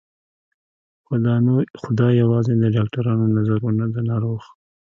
خو دا یوازې د ډاکترانو نظر و نه د ناروغ